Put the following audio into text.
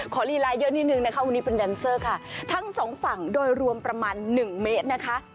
ขอลีลายด์เยอะนิดนึงนะคะวันนี้เป็นดันเซอร์ค่ะทั้ง๒ฝั่งโดยรวมประมาณ๑เมตรนะคะ